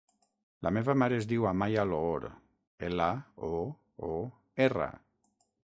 La meva mare es diu Amaia Loor: ela, o, o, erra.